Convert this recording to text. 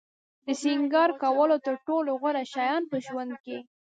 د سینگار کولو تر ټولو غوره شیان په ژوند کې.